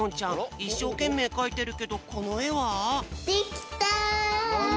いっしょうけんめいかいてるけどこのえは？できた！